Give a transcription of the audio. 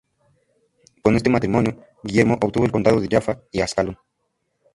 Con este matrimonio, Guillermo obtuvo el condado de Jaffa y Ascalón.